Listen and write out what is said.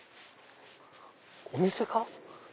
お店か？